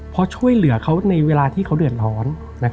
เพราะช่วยเหลือเขาในเวลาที่เขาเดือดร้อน